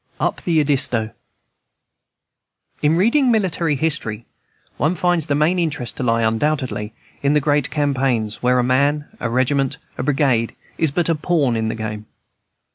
Up the Edisto In reading military history, one finds the main interest to lie, undoubtedly, in the great campaigns, where a man, a regiment, a brigade, is but a pawn in the game.